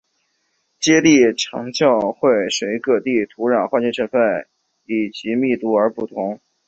接地常数会随各地区的土壤化学成份以及密度而不同。